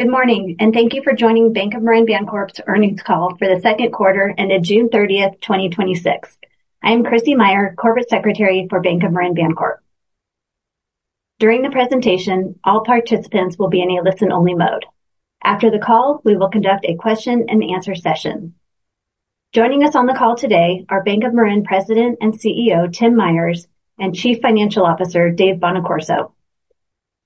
Good morning. Thank you for joining Bank of Marin Bancorp's earnings call for the second quarter ended June 30, 2026. I am Krissy Meyer, Corporate Secretary for Bank of Marin Bancorp. During the presentation, all participants will be in a listen-only mode. After the call, we will conduct a question-and-answer session. Joining us on the call today are Bank of Marin President and CEO, Tim Myers, and Chief Financial Officer, Dave Bonaccorso.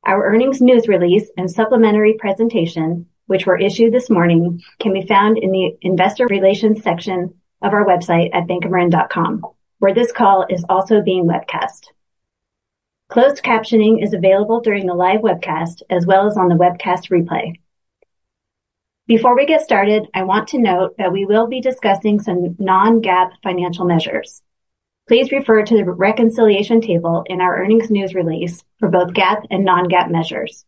Our earnings news release and supplementary presentation, which were issued this morning, can be found in the investor relations section of our website at bankofmarin.com, where this call is also being webcast. Closed captioning is available during the live webcast as well as on the webcast replay. Before we get started, I want to note that we will be discussing some non-GAAP financial measures. Please refer to the reconciliation table in our earnings news release for both GAAP and non-GAAP measures.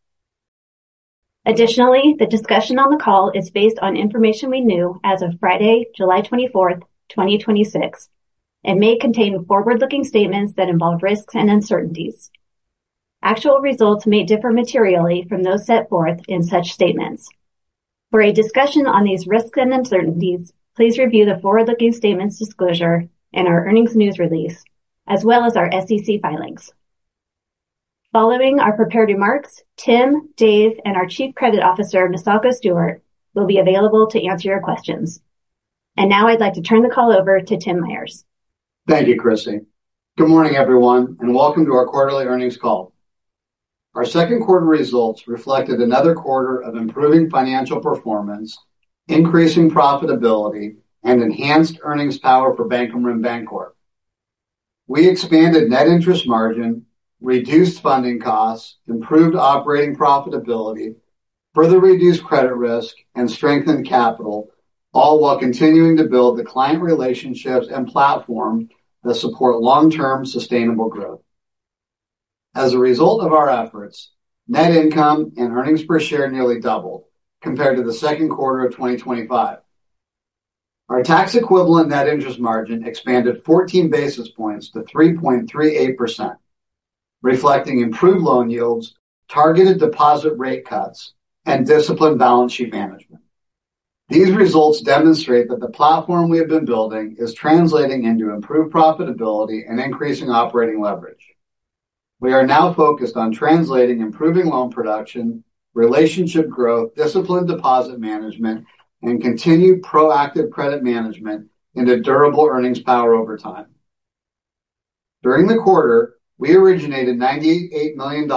Additionally, the discussion on the call is based on information we knew as of Friday, July 24, 2026, and may contain forward-looking statements that involve risks and uncertainties. Actual results may differ materially from those set forth in such statements. For a discussion on these risks and uncertainties, please review the forward-looking statements disclosure in our earnings news release, as well as our SEC filings. Following our prepared remarks, Tim, Dave, and our Chief Credit Officer, Misako Stewart, will be available to answer your questions. Now I'd like to turn the call over to Tim Myers. Thank you, Krissy. Good morning, everyone. Welcome to our quarterly earnings call. Our second quarter results reflected another quarter of improving financial performance, increasing profitability, and enhanced earnings power for Bank of Marin Bancorp. We expanded net interest margin, reduced funding costs, improved operating profitability, further reduced credit risk, and strengthened capital, all while continuing to build the client relationships and platform that support long-term sustainable growth. As a result of our efforts, net income and earnings per share nearly doubled compared to the second quarter of 2025. Our tax equivalent net interest margin expanded 14 basis points to 3.38%, reflecting improved loan yields, targeted deposit rate cuts, and disciplined balance sheet management. These results demonstrate that the platform we have been building is translating into improved profitability and increasing operating leverage. We are now focused on translating improving loan production, relationship growth, disciplined deposit management, and continued proactive credit management into durable earnings power over time. During the quarter, we originated $98 million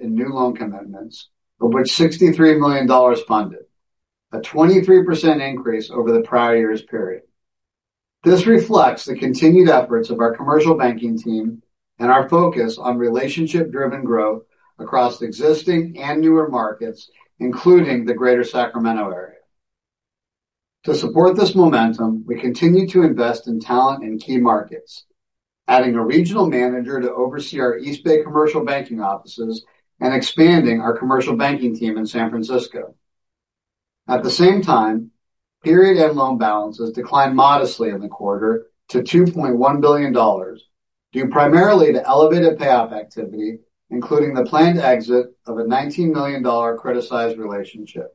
in new loan commitments, of which $63 million funded, a 23% increase over the prior year's period. This reflects the continued efforts of our commercial banking team and our focus on relationship-driven growth across existing and newer markets, including the Greater Sacramento area. To support this momentum, we continue to invest in talent in key markets, adding a regional manager to oversee our East Bay commercial banking offices and expanding our commercial banking team in San Francisco. At the same time, period end loan balances declined modestly in the quarter to $2.1 billion, due primarily to elevated payoff activity, including the planned exit of a $19 million credit-sized relationship.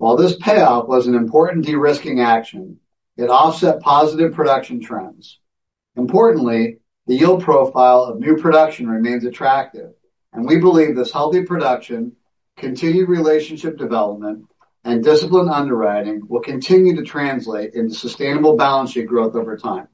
While this payoff was an important de-risking action, it offset positive production trends. Importantly, the yield profile of new production remains attractive, and we believe this healthy production, continued relationship development, and disciplined underwriting will continue to translate into sustainable balance sheet growth over time.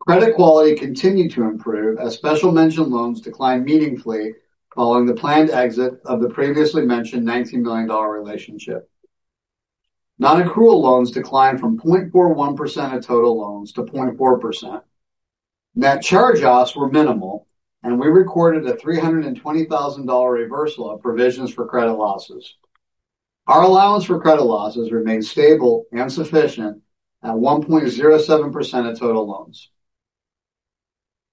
Credit quality continued to improve as special mention loans declined meaningfully following the planned exit of the previously mentioned $19 million relationship. Non-accrual loans declined from 0.41% of total loans to 0.4%. Net charge-offs were minimal, and we recorded a $320,000 reversal of provisions for credit losses. Our allowance for credit losses remained stable and sufficient at 1.07% of total loans.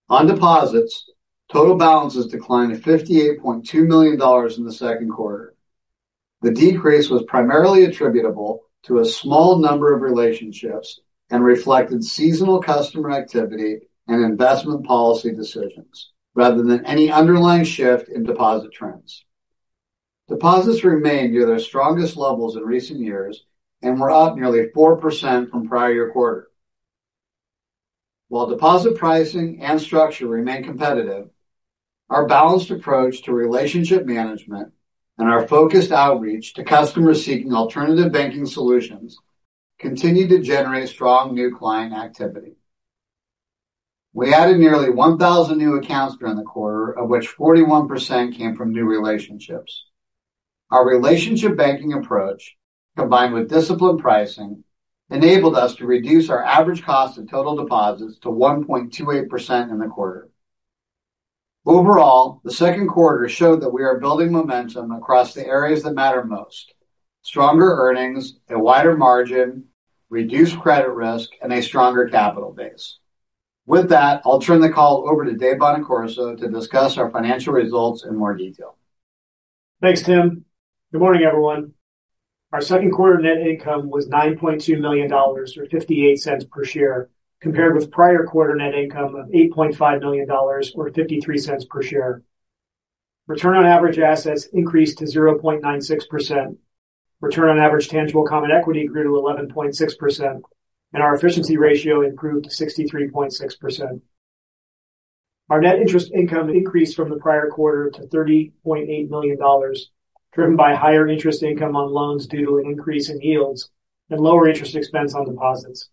On deposits, total balances declined to $58.2 million in the second quarter. The decrease was primarily attributable to a small number of relationships and reflected seasonal customer activity and investment policy decisions rather than any underlying shift in deposit trends. Deposits remained near their strongest levels in recent years and were up nearly 4% from prior year quarter. While deposit pricing and structure remain competitive, our balanced approach to relationship management and our focused outreach to customers seeking alternative banking solutions continued to generate strong new client activity. We added nearly 1,000 new accounts during the quarter, of which 41% came from new relationships. Our relationship banking approach, combined with disciplined pricing, enabled us to reduce our average cost of total deposits to 1.28% in the quarter. Overall, the second quarter showed that we are building momentum across the areas that matter most: stronger earnings, a wider margin, reduced credit risk, and a stronger capital base. With that, I'll turn the call over to Dave Bonaccorso to discuss our financial results in more detail. Thanks, Tim. Good morning, everyone. Our second quarter net income was $9.2 million, or $0.58 per share, compared with prior quarter net income of $8.5 million, or $0.53 per share. Return on average assets increased to 0.96%. Return on average tangible common equity grew to 11.6%, and our efficiency ratio improved to 63.6%. Our net interest income increased from the prior quarter to $30.8 million, driven by higher interest income on loans due to an increase in yields and lower interest expense on deposits.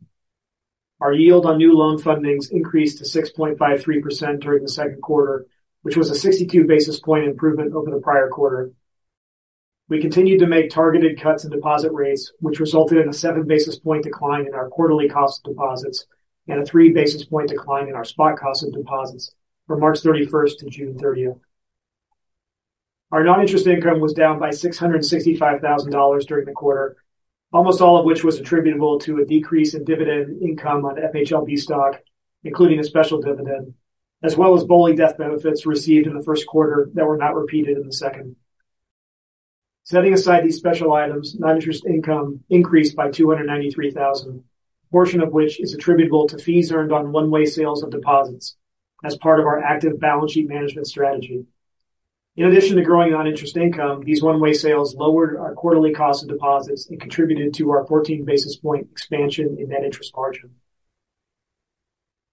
Our yield on new loan fundings increased to 6.53% during the second quarter, which was a 62 basis point improvement over the prior quarter. We continued to make targeted cuts in deposit rates, which resulted in a seven basis point decline in our quarterly cost of deposits and a three basis point decline in our spot cost of deposits from March 31st to June 30th. Our non-interest income was down by $665,000 during the quarter, almost all of which was attributable to a decrease in dividend income on FHLB stock, including a special dividend, as well as BOLI death benefits received in the first quarter that were not repeated in the second. Setting aside these special items, non-interest income increased by $293,000, a portion of which is attributable to fees earned on one-way sales of deposits as part of our active balance sheet management strategy. In addition to growing non-interest income, these one-way sales lowered our quarterly cost of deposits and contributed to our 14 basis point expansion in net interest margin.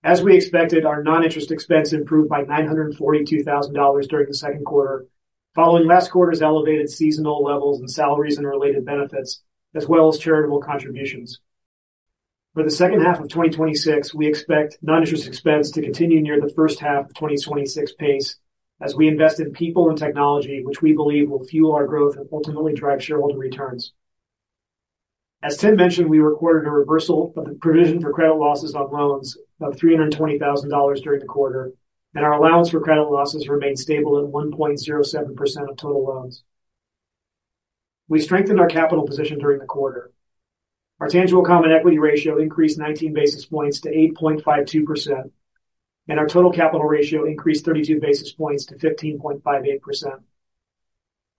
As we expected, our non-interest expense improved by $942,000 during the second quarter, following last quarter's elevated seasonal levels in salaries and related benefits, as well as charitable contributions. For the second half of 2026, we expect non-interest expense to continue near the first half of 2026 pace as we invest in people and technology, which we believe will fuel our growth and ultimately drive shareholder returns. As Tim mentioned, we recorded a reversal of the provision for credit losses on loans of $320,000 during the quarter, and our allowance for credit losses remained stable at 1.07% of total loans. We strengthened our capital position during the quarter. Our tangible common equity ratio increased 19 basis points to 8.52%, and our total capital ratio increased 32 basis points to 15.58%.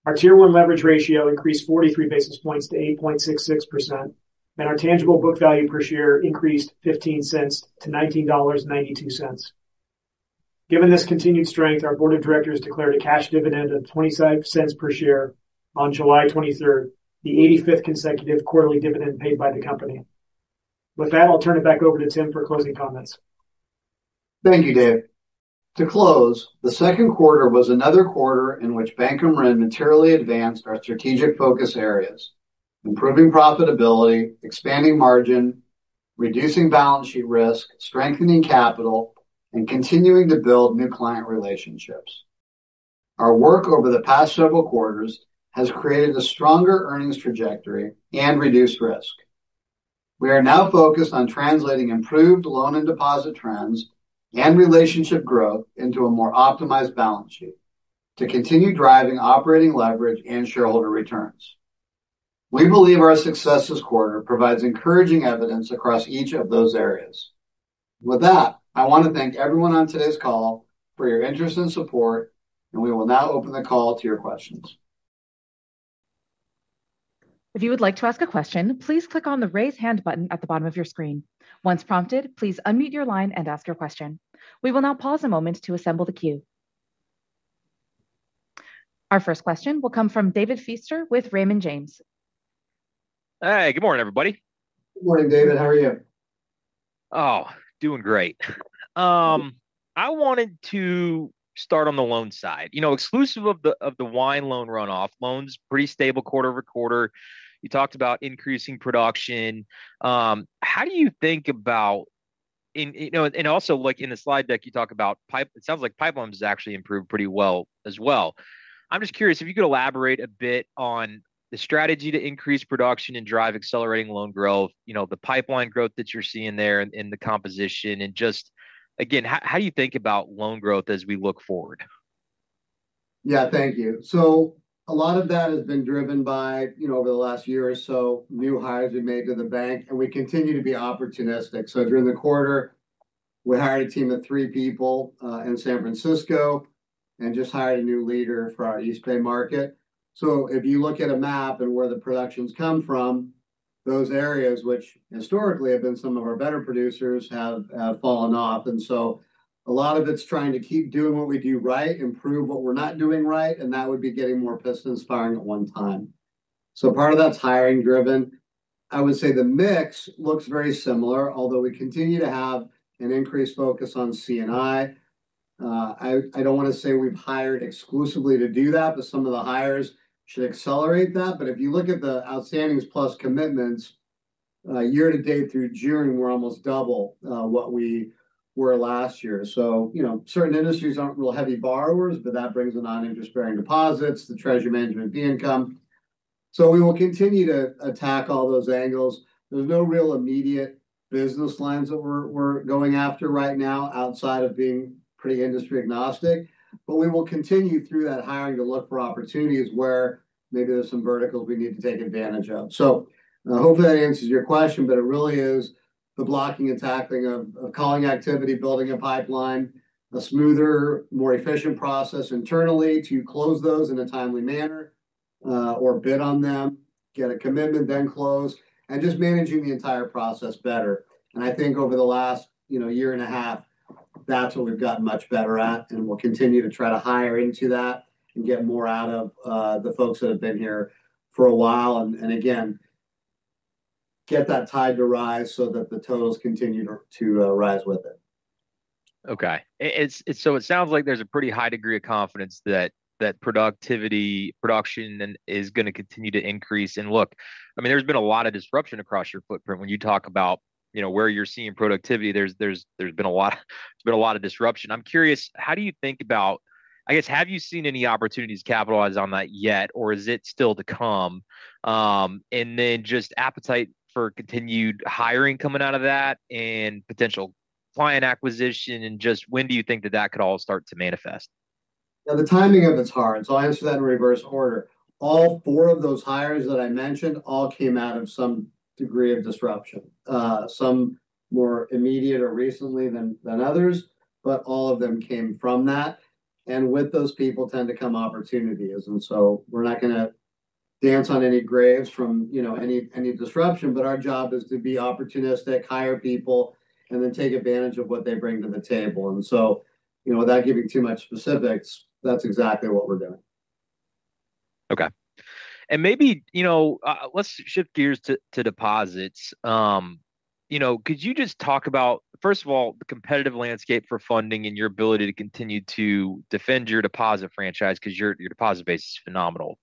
Our Tier 1 leverage ratio increased 43 basis points to 8.66%, and our tangible book value per share increased $0.15 to $19.92. Given this continued strength, our board of directors declared a cash dividend of $0.25 per share on July 23rd, the 85th consecutive quarterly dividend paid by the company. With that, I'll turn it back over to Tim for closing comments. Thank you, Dave. To close, the second quarter was another quarter in which Bank of Marin materially advanced our strategic focus areas, improving profitability, expanding margin, reducing balance sheet risk, strengthening capital, and continuing to build new client relationships. Our work over the past several quarters has created a stronger earnings trajectory and reduced risk. We are now focused on translating improved loan and deposit trends and relationship growth into a more optimized balance sheet to continue driving operating leverage and shareholder returns. We believe our success this quarter provides encouraging evidence across each of those areas. With that, I want to thank everyone on today's call for your interest and support, we will now open the call to your questions. If you would like to ask a question, please click on the Raise Hand button at the bottom of your screen. Once prompted, please unmute your line and ask your question. We will now pause a moment to assemble the queue. Our first question will come from David Feaster with Raymond James. Hey, good morning, everybody. Good morning, David. How are you? Oh, doing great. I wanted to start on the loans side. Exclusive of the wine loan runoff, loans pretty stable quarter-over-quarter. You talked about increasing production. How do you think about, and also, in the slide deck, you talk about pipe. It sounds like pipelines has actually improved pretty well as well. I'm just curious if you could elaborate a bit on the strategy to increase production and drive accelerating loan growth, the pipeline growth that you're seeing there and the composition and just, again, how do you think about loan growth as we look forward? Thank you. A lot of that has been driven by, over the last year or so, new hires we made to the bank, and we continue to be opportunistic. During the quarter, we hired a team of three people in San Francisco and just hired a new leader for our East Bay market. If you look at a map and where the productions come from, those areas, which historically have been some of our better producers, have fallen off, and a lot of it's trying to keep doing what we do right, improve what we're not doing right, and that would be getting more pistons firing at one time. Part of that's hiring driven. I would say the mix looks very similar, although we continue to have an increased focus on C&I. I don't want to say we've hired exclusively to do that, but some of the hires should accelerate that. If you look at the outstandings plus commitments, year to date through June, we're almost double what we were last year. Certain industries aren't real heavy borrowers, but that brings the non-interest-bearing deposits, the treasury management fee income. We will continue to attack all those angles. There's no real immediate business lines that we're going after right now outside of being pretty industry agnostic. We will continue through that hiring to look for opportunities where maybe there's some verticals we need to take advantage of. Hopefully that answers your question, but it really is the blocking and tackling of calling activity, building a pipeline. A smoother, more efficient process internally to close those in a timely manner, or bid on them, get a commitment, then close, and just managing the entire process better. I think over the last year and a half, that's what we've gotten much better at, and we'll continue to try to hire into that and get more out of the folks that have been here for a while. Again, get that tide to rise so that the totals continue to rise with it. Okay. It sounds like there's a pretty high degree of confidence that productivity, production is going to continue to increase. Look, there's been a lot of disruption across your footprint. When you talk about where you're seeing productivity, there's been a lot of disruption. I'm curious, I guess, have you seen any opportunities to capitalize on that yet, or is it still to come? Then just appetite for continued hiring coming out of that and potential client acquisition, and just when do you think that that could all start to manifest? The timing of it's hard. I'll answer that in reverse order. All four of those hires that I mentioned all came out of some degree of disruption. Some more immediate or recently than others, but all of them came from that. With those people tend to come opportunities. We're not going to dance on any graves from any disruption, but our job is to be opportunistic, hire people, and then take advantage of what they bring to the table. Without giving too much specifics, that's exactly what we're doing. Okay. Maybe let's shift gears to deposits. Could you just talk about, first of all, the competitive landscape for funding and your ability to continue to defend your deposit franchise because your deposit base is phenomenal.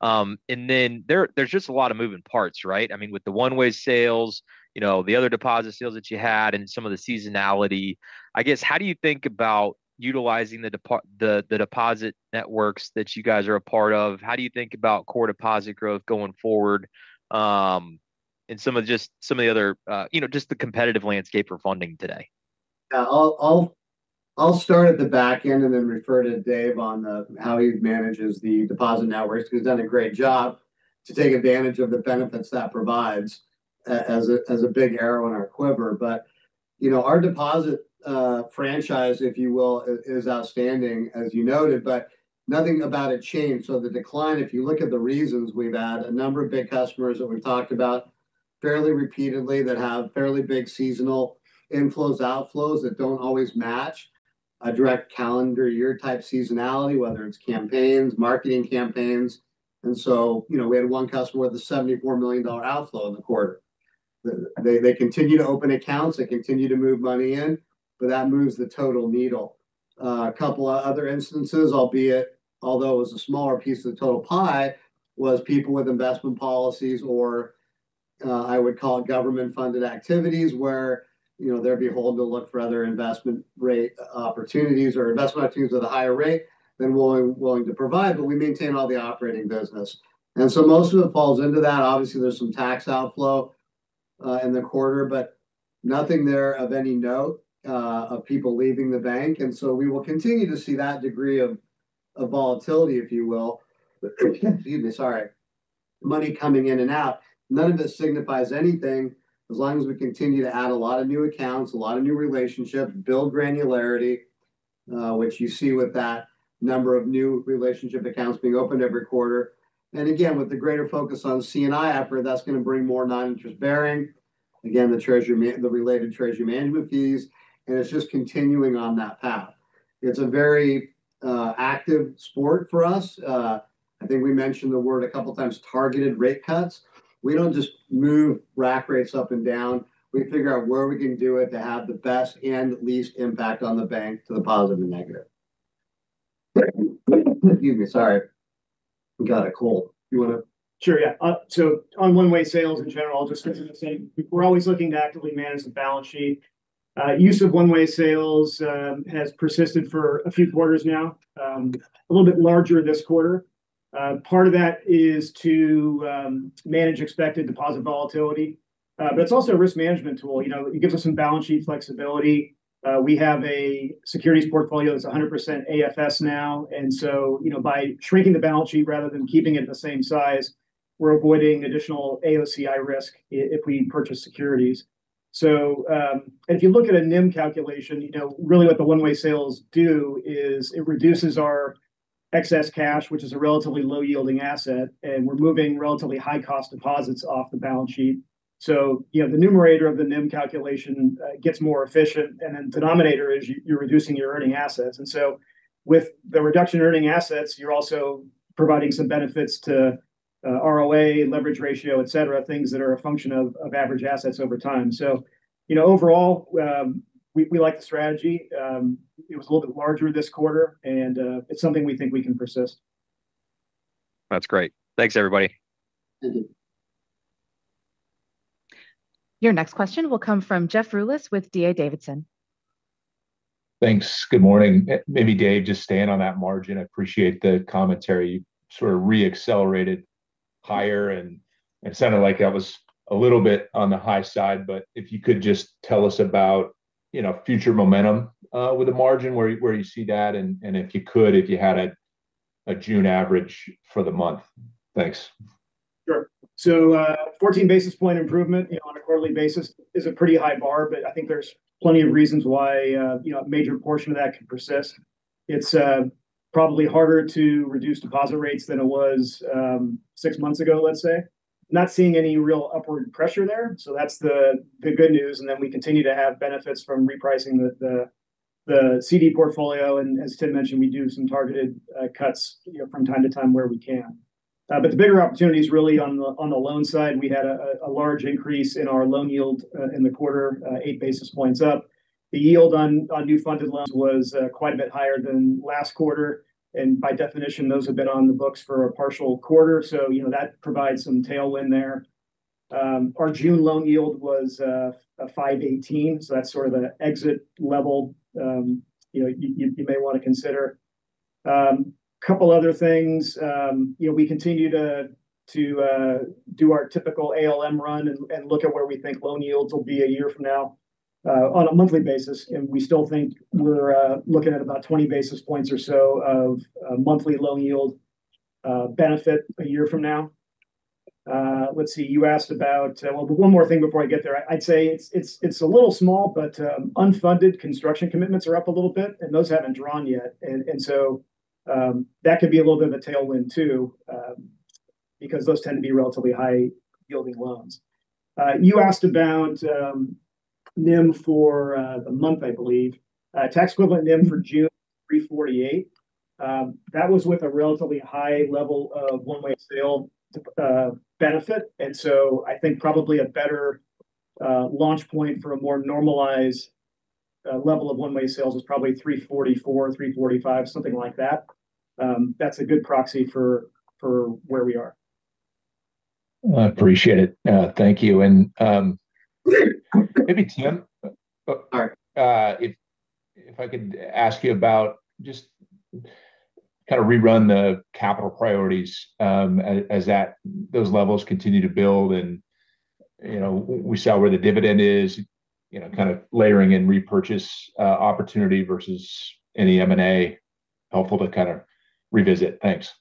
Then there's just a lot of moving parts, right? With the one-way sales, the other deposit sales that you had and some of the seasonality. I guess, how do you think about utilizing the deposit networks that you guys are a part of? How do you think about core deposit growth going forward? Some of the other competitive landscape for funding today. I'll start at the back end. Then refer to Dave on how he manages the deposit networks because he's done a great job to take advantage of the benefits that provides as a big arrow in our quiver. Our deposit franchise, if you will, is outstanding, as you noted, but nothing about it changed. The decline, if you look at the reasons we've had a number of big customers that we've talked about fairly repeatedly that have fairly big seasonal inflows, outflows that don't always match a direct calendar year type seasonality, whether it's campaigns, marketing campaigns. We had one customer with a $74 million outflow in the quarter. They continue to open accounts, they continue to move money in, but that moves the total needle. A couple of other instances, albeit although it was a smaller piece of the total pie, was people with investment policies or I would call it government-funded activities, where they're beholden to look for other investment rate opportunities or investment opportunities at a higher rate than we're willing to provide, but we maintain all the operating business. Most of it falls into that. Obviously, there's some tax outflow in the quarter, but nothing there of any note of people leaving the bank. We will continue to see that degree of volatility, if you will. Excuse me. Sorry. Money coming in and out. None of this signifies anything as long as we continue to add a lot of new accounts, a lot of new relationships, build granularity, which you see with that number of new relationship accounts being opened every quarter. Again, with the greater focus on C&I effort, that's going to bring more non-interest-bearing, again, the related treasury management fees. It's just continuing on that path. It's a very active sport for us. I think we mentioned the word a couple times, targeted rate cuts. We don't just move rack rates up and down. We figure out where we can do it to have the best and least impact on the bank to the positive and negative. Excuse me, sorry. I got a cold. You want to- Sure, yeah. On one-way sales in general, I'll just mention the same. We're always looking to actively manage the balance sheet. Use of one-way sales has persisted for a few quarters now. A little bit larger this quarter. Part of that is to manage expected deposit volatility. It's also a risk management tool. It gives us some balance sheet flexibility. We have a securities portfolio that's 100% AFS now, by shrinking the balance sheet rather than keeping it the same size, we're avoiding additional AOCI risk if we purchase securities. If you look at a NIM calculation, really what the one-way sales do is it reduces our excess cash, which is a relatively low-yielding asset, and we're moving relatively high-cost deposits off the balance sheet. The numerator of the NIM calculation gets more efficient, and then denominator is you're reducing your earning assets. With the reduction in earning assets, you're also providing some benefits to ROA, leverage ratio, et cetera, things that are a function of average assets over time. Overall, we like the strategy. It was a little bit larger this quarter, it's something we think we can persist. That's great. Thanks, everybody. Thank you. Your next question will come from Jeff Rulis with D.A. Davidson. Thanks. Good morning. Maybe Dave, just staying on that margin, I appreciate the commentary. You sort of re-accelerated higher and it sounded like that was a little bit on the high side. If you could just tell us about future momentum with the margin, where you see that, and if you could, if you had a June average for the month. Thanks. Sure. 14 basis point improvement on a quarterly basis is a pretty high bar. I think there's plenty of reasons why a major portion of that can persist. It's probably harder to reduce deposit rates than it was six months ago, let's say. Not seeing any real upward pressure there. That's the good news. We continue to have benefits from repricing the CD portfolio, and as Tim mentioned, we do some targeted cuts from time to time where we can. The bigger opportunity is really on the loan side. We had a large increase in our loan yield in the quarter, 8 basis points up. The yield on new funded loans was quite a bit higher than last quarter, and by definition, those have been on the books for a partial quarter. That provides some tailwind there. Our June loan yield was 518. That's sort of the exit level you may want to consider. Couple other things. We continue to do our typical ALM run and look at where we think loan yields will be a year from now on a monthly basis, and we still think we're looking at about 20 basis points or so of monthly loan yield benefit a year from now. Let's see. One more thing before I get there. I'd say it's a little small, but unfunded construction commitments are up a little bit. Those haven't drawn yet. That could be a little bit of a tailwind too, because those tend to be relatively high-yielding loans. You asked about NIM for the month, I believe. Tax equivalent NIM for June, 348. That was with a relatively high level of one-way sale benefit, and so I think probably a better launch point for a more normalized level of one-way sales was probably 344, 345, something like that. That's a good proxy for where we are. I appreciate it. Thank you. Maybe Tim- All right. If I could ask you about just kind of rerun the capital priorities as those levels continue to build and we saw where the dividend is, kind of layering in repurchase opportunity versus any M&A. Helpful to kind of revisit. Thanks.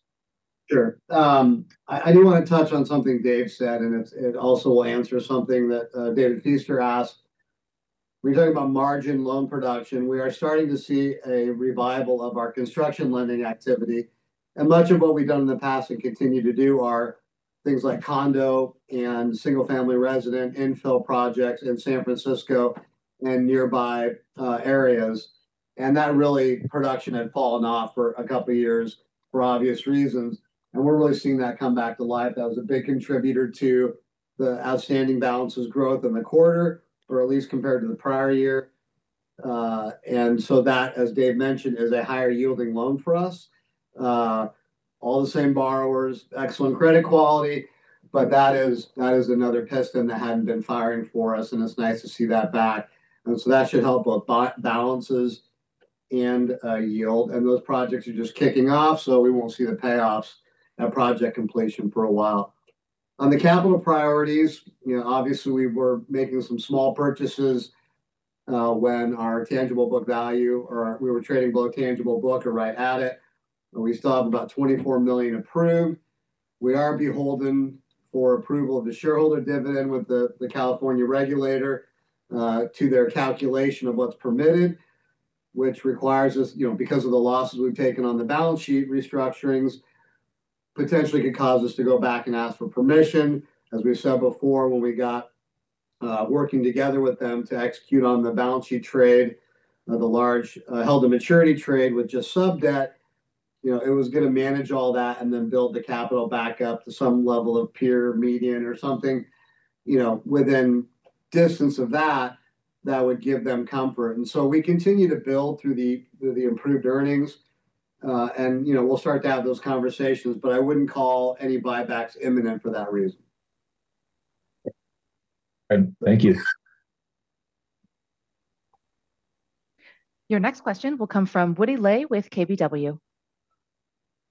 Sure. I do want to touch on something Dave said, and it also will answer something that David Feaster asked. When you're talking about margin loan production, we are starting to see a revival of our construction lending activity, and much of what we've done in the past and continue to do are things like condo and single-family resident infill projects in San Francisco and nearby areas. That really, production had fallen off for a couple of years for obvious reasons, and we're really seeing that come back to life. That was a big contributor to the outstanding balances growth in the quarter, or at least compared to the prior year. That, as Dave mentioned, is a higher-yielding loan for us. All the same borrowers, excellent credit quality, but that is another piston that hadn't been firing for us, and it's nice to see that back. That should help with balances and yield. Those projects are just kicking off, so we won't see the payoffs at project completion for a while. On the capital priorities, obviously we were making some small purchases when our tangible book value or we were trading below tangible book or right at it, and we still have about $24 million approved. We are beholden for approval of the shareholder dividend with the California regulator to their calculation of what's permitted, which requires us, because of the losses we've taken on the balance sheet restructurings, potentially could cause us to go back and ask for permission. As we've said before, when we got working together with them to execute on the balance sheet trade, the large held-to-maturity trade with just sub-debt, it was going to manage all that and then build the capital back up to some level of peer median or something within distance of that would give them comfort. We continue to build through the improved earnings. We'll start to have those conversations, but I wouldn't call any buybacks imminent for that reason. Good. Thank you. Your next question will come from Woody Lay with KBW.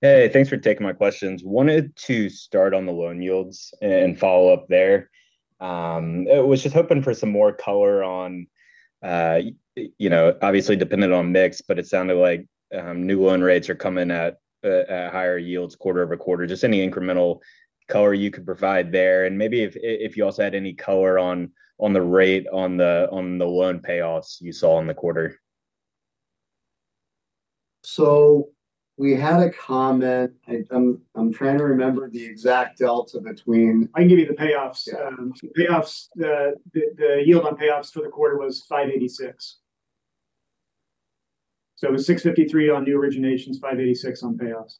Hey, thanks for taking my questions. Wanted to start on the loan yields and follow up there. I was just hoping for some more color on, obviously dependent on mix, it sounded like new loan rates are coming at higher yields quarter-over-quarter. Any incremental color you could provide there, and maybe if you also had any color on the rate on the loan payoffs you saw in the quarter. We had a comment. I'm trying to remember the exact delta between- I can give you the payoffs. Yeah. The yield on payoffs for the quarter was 586. It was 653 on new originations, 586 on payoffs.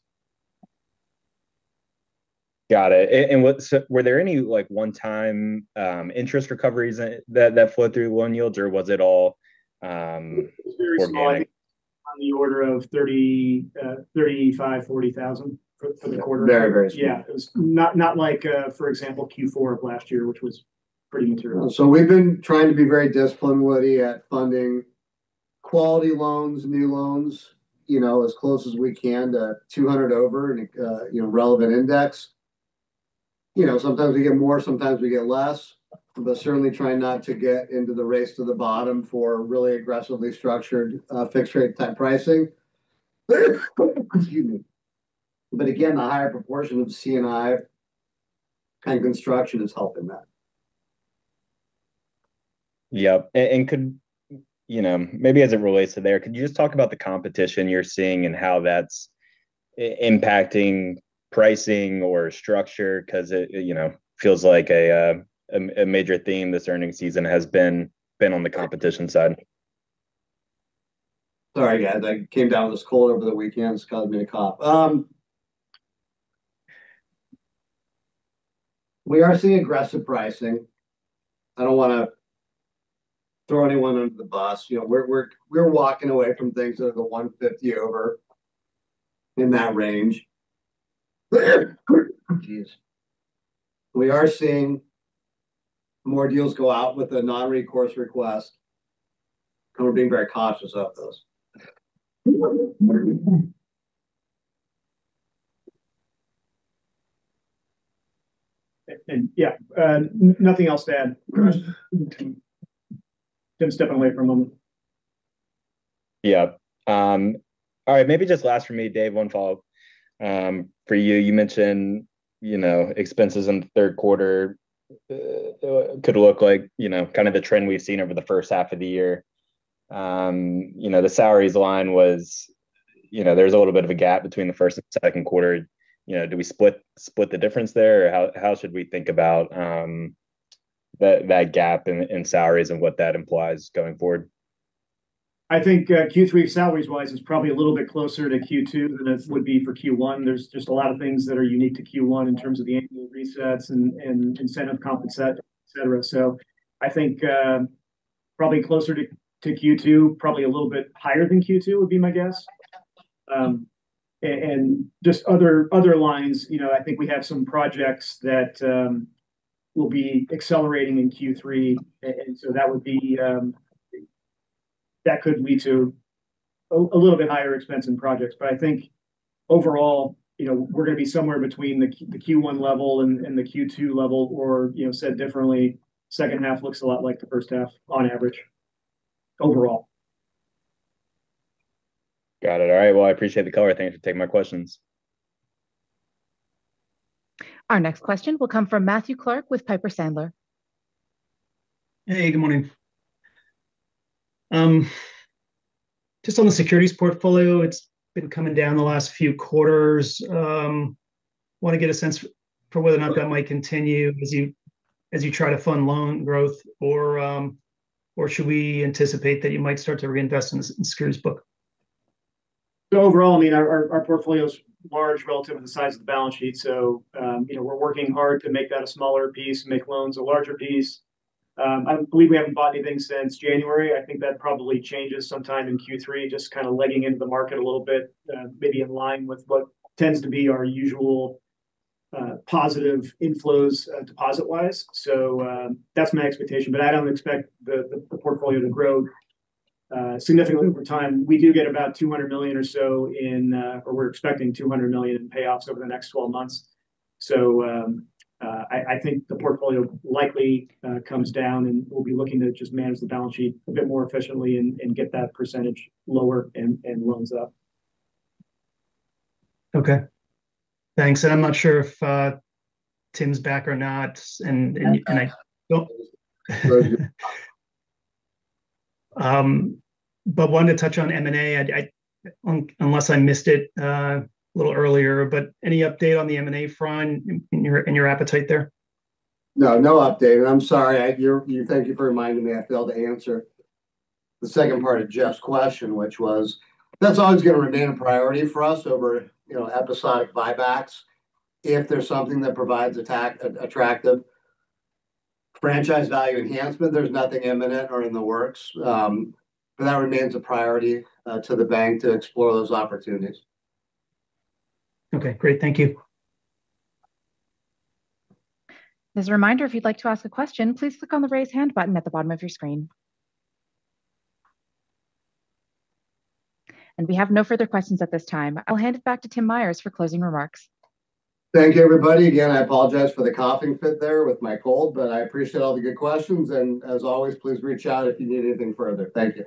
Got it. Were there any one-time interest recoveries that flowed through loan yields, or was it all- It was very small formatting? On the order of $35,000, $40,000 for the quarter. Very, very small. Yeah. It was not like for example, Q4 of last year, which was pretty material. We've been trying to be very disciplined, Woody, at funding quality loans, new loans, as close as we can to 200 over relevant index. Sometimes we get more, sometimes we get less. Certainly trying not to get into the race to the bottom for really aggressively structured fixed rate type pricing. Excuse me. Again, the higher proportion of C&I kind of construction is helping that. Yeah. Maybe as it relates to there, could you just talk about the competition you're seeing and how that's impacting pricing or structure? It feels like a major theme this earning season has been on the competition side. Sorry, guys. I came down with this cold over the weekend. It's causing me to cough. We are seeing aggressive pricing. I don't want to throw anyone under the bus. We're walking away from things that are the 150 over, in that range. Jeez. We are seeing more deals go out with a non-recourse request, and we're being very cautious of those. Yeah. Nothing else to add. Tim stepping away for a moment. Yeah. All right. Maybe just last from me, Dave, one follow-up. For you mentioned expenses in the third quarter could look like the trend we've seen over the first half of the year. The salaries line there's a little bit of a gap between the first and second quarter. Do we split the difference there, or how should we think about that gap in salaries and what that implies going forward? I think Q3 salaries-wise is probably a little bit closer to Q2 than it would be for Q1. There's just a lot of things that are unique to Q1 in terms of the annual resets and incentive compensations, et cetera. I think probably closer to Q2, probably a little bit higher than Q2 would be my guess. Just other lines, I think we have some projects that will be accelerating in Q3, that could lead to a little bit higher expense in projects. I think overall, we're going to be somewhere between the Q1 level and the Q2 level or, said differently, second half looks a lot like the first half on average overall. Got it. All right. I appreciate the color. Thank you for taking my questions. Our next question will come from Matthew Clark with Piper Sandler. Hey, good morning. Just on the securities portfolio, it's been coming down the last few quarters. Want to get a sense for whether or not that might continue as you try to fund loan growth, or should we anticipate that you might start to reinvest in the securities book? Overall, I mean, our portfolio is large relative to the size of the balance sheet, so we're working hard to make that a smaller piece and make loans a larger piece. I believe we haven't bought anything since January. I think that probably changes sometime in Q3, just kind of legging into the market a little bit, maybe in line with what tends to be our usual positive inflows deposit-wise. That's my expectation. I don't expect the portfolio to grow significantly over time. We do get about $200 million or so, or we're expecting $200 million in payoffs over the next 12 months. I think the portfolio likely comes down, and we'll be looking to just manage the balance sheet a bit more efficiently and get that percentage lower and loans up. Okay. Thanks. I'm not sure if Tim's back or not. Yeah. Wanted to touch on M&A, unless I missed it a little earlier, but any update on the M&A front and your appetite there? No. No update. I'm sorry. Thank you for reminding me. I failed to answer the second part of Jeff's question, which was, that's always going to remain a priority for us over episodic buybacks if there's something that provides attractive franchise value enhancement. There's nothing imminent or in the works. That remains a priority to the bank to explore those opportunities. Okay, great. Thank you. As a reminder, if you'd like to ask a question, please click on the Raise Hand button at the bottom of your screen. We have no further questions at this time. I'll hand it back to Tim Myers for closing remarks. Thank you, everybody. Again, I apologize for the coughing fit there with my cold, I appreciate all the good questions. As always, please reach out if you need anything further. Thank you